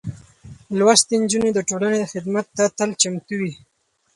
لوستې نجونې د ټولنې خدمت ته تل چمتو وي.